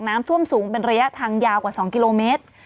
น้ำท่วมสูงเป็นระยะทางยาวกว่า๒กิโลเมตร